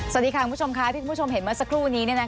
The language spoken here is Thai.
สวัสดีค่ะคุณผู้ชมค่ะที่คุณผู้ชมเห็นเมื่อสักครู่นี้